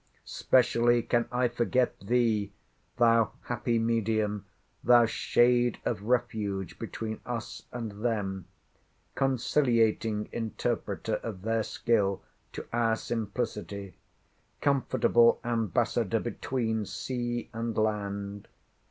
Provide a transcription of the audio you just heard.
'Specially can I forget thee, thou happy medium, thou shade of refuge between us and them, conciliating interpreter of their skill to our simplicity, comfortable ambassador between sea and land!